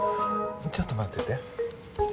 ちょっと待ってて。